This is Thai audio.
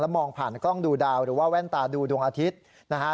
มองผ่านกล้องดูดาวหรือว่าแว่นตาดูดวงอาทิตย์นะฮะ